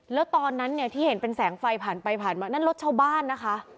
แล้วตอนนั้นเนี่ยที่เห็นเป็นแสงไฟผ่านไปผ่านมานั่นรถชาวบ้านนะคะ